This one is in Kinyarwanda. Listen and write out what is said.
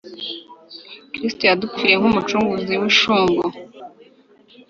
Kristo yadupfiriye nk'umucunguzi w'inshungu: